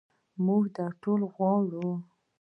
موږ ټول غواړو.